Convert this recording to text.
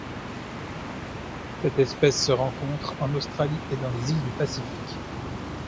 Cette espèce se rencontre en Australie et dans les îles du Pacifique.